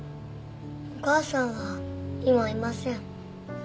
お母さんは今いません